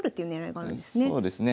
そうですね。